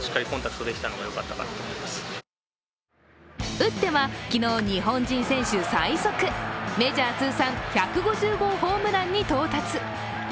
打っては、昨日日本人選手最速メジャー通算１５０号ホームランに到達。